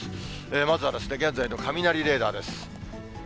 まずは現在の雷レーダーです。